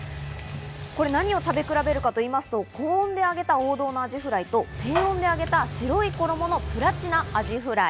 何を食べ比べるかというと、高温で揚げた王道のアジフライと、低温で揚げた白い衣のプラチナアジフライ。